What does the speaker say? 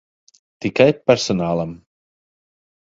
Tikai personālam.